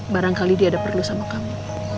barangkali dia ada perlu sama kamu